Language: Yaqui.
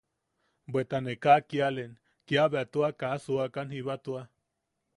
Bweta ne kaa kialen, kiabea tua kaa suakan jiba tua.